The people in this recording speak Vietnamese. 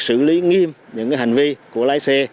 sử lý nghiêm những hành vi của lái xe